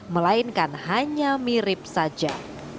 melainkan hanya mirip saja